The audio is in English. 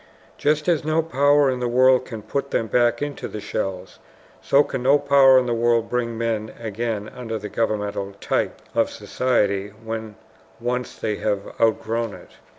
Just as no power in the world can put them back into the shells, so can no power in the world bring men again under the governmental type of society when once they have outgrown it.